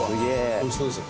おいしそうでしょ。